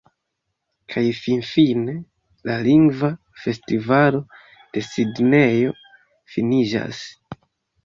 Kaj finfine, la Lingva Festivalo de Sidnejo finiĝas.